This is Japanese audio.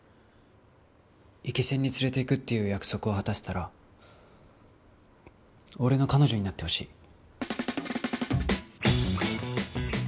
イケセンに連れていくっていう約束を果たしたら俺の彼女になってほしい。